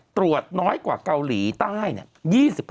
ตรวจน้อยกว่าเกาหลีใต้เนี่ย